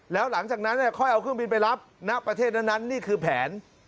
แล้วหลังจากนั้นค่อยเอาเครื่องบินไปรับณประเทศนั้นนี่คือแผน